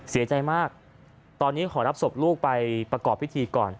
เสียใจมากตอนนี้ขอรับศพลูกไปประกอบพิธีก่อน